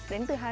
đến từ hà nội